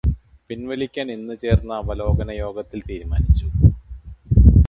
പിന്വലിക്കാന് ഇന്ന് ചേര്ന്ന അവലോകന യോഗത്തില് തീരുമാനിച്ചു.